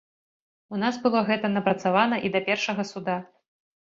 У нас было гэта напрацавана і да першага суда.